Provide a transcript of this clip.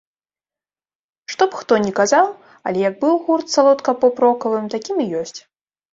Што б хто не казаў, але як быў гурт салодка поп-рокавым, такім і ёсць.